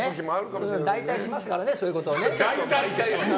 大体しますからね、そういうこと。